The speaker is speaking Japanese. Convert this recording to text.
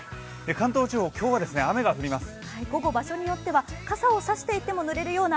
関東地方、今日は雨が降ります。